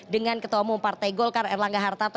dengan ketua umum partai golkar erlangga hartarto